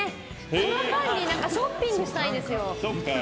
その間にショッピングしたいんですよ。